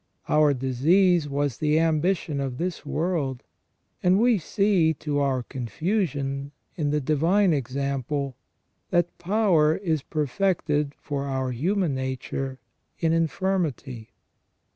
Our disease was the ambition of this world, and we see, to our confusion, in the divine example, that power is perfected for our human nature in CREA TION AND PRO VIDENCE. 1 1 3 infirmity.